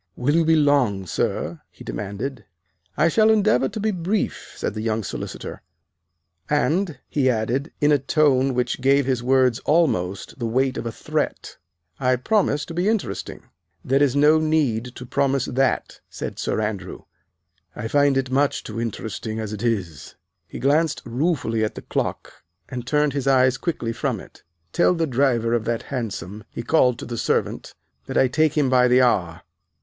"Will you be long, sir!" he demanded. "I shall endeavor to be brief," said the young solicitor; "and," he added, in a tone which gave his words almost the weight of a threat, "I promise to be interesting." "There is no need to promise that," said Sir Andrew, "I find it much too interesting as it is." He glanced ruefully at the clock and turned his eyes quickly from it. "Tell the driver of that hansom," he called to the servant, "that I take him by the hour."